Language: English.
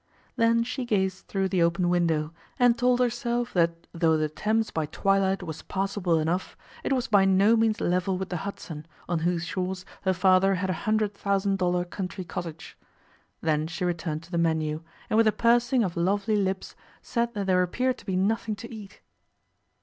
Then she gazed through the open window, and told herself that though the Thames by twilight was passable enough, it was by no means level with the Hudson, on whose shores her father had a hundred thousand dollar country cottage. Then she returned to the menu, and with a pursing of lovely lips said that there appeared to be nothing to eat.